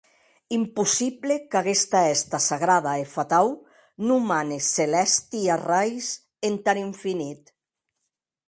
Impossible qu’aguesta hèsta sagrada e fatau non mane celèsti arrais entar infinit.